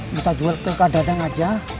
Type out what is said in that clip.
kita jual ke kang dadang aja